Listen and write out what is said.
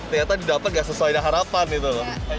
ternyata didapat nggak sesuai dengan harapan gitu loh